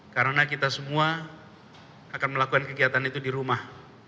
karena kita semua akan melakukan kegiatan itu di rumah